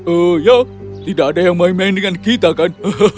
oh ya tidak ada yang main main dengan kita kan